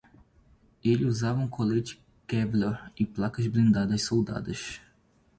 Ele usava um colete kevlar e placas blindadas soldadas